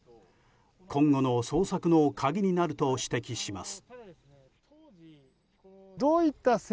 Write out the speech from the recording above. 今後の捜索の鍵になると指摘します。